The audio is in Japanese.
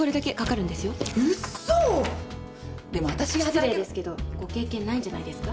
失礼ですけどご経験ないんじゃないですか？